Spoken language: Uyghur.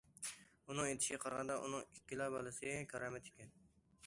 ئۇنىڭ ئېيتىشىغا قارىغاندا، ئۇنىڭ ئىككىلا بالىسى« كارامەت» ئىكەن.